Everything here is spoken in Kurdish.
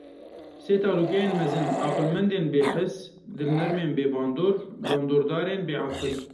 Sê talûkeyên mezin: aqilmendên bêhis, dilnermên bêbandor, bandordarên bêaqil.